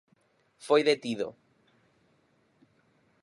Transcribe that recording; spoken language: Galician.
Foi detido.